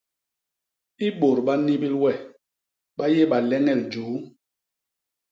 I bôt ba nnibil we, ba yé baleñel juu.